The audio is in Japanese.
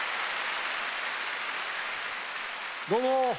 どうも。